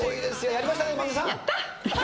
やりましたね萬田さん！